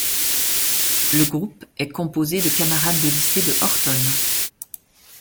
Le groupe est composé de camarades de lycées de Horton.